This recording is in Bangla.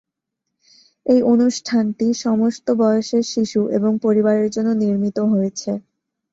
এই অনুষ্ঠানটি সমস্ত বয়সের শিশু এবং পরিবারের জন্য নির্মিত হয়েছে।